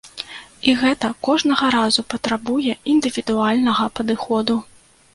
І гэта кожнага разу патрабуе індывідуальнага падыходу.